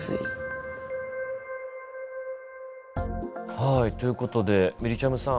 はいということでみりちゃむさん。